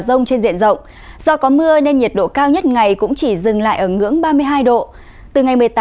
rông trên diện rộng do có mưa nên nhiệt độ cao nhất ngày cũng chỉ dừng lại ở ngưỡng ba mươi hai độ từ ngày